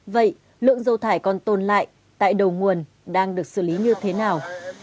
vậy lượng dầu thải còn tồn tại tại đầu nguồn đang được xử lý như thế nào